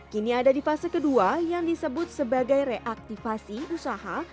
kini ada di fase kedua yang disebut sebagai reaktivasi usaha